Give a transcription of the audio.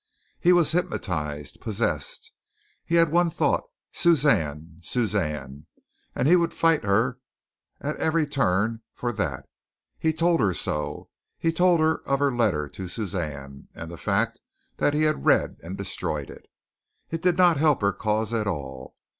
He was hypnotized, possessed. He had one thought, Suzanne, Suzanne, and he would fight her at every turn for that. He told her so. He told her of her letter to Suzanne, and the fact that he had read and destroyed it. It did not help her cause at all.